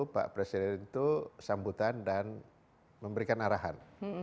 pak presiden itu sambutan dan memberikan arahan